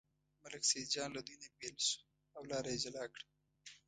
ملک سیدجان له دوی نه بېل شو او لاره یې جلا کړه.